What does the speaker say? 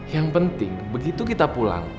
yang penting begitu kita pulang